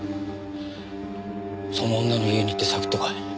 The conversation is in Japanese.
その女の家に行って探ってこい。